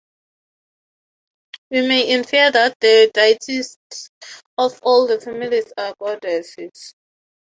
We may infer that the deities of all the families are goddesses.